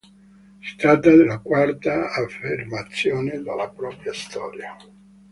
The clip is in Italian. Si tratta della quarta affermazione della propria storia.